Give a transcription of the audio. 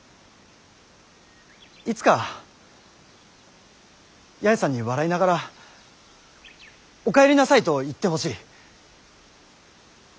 いつか八重さんに笑いながらお帰りなさいと言ってほしい。